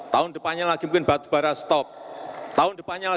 tahun empat puluh tujuh pdi perjuangan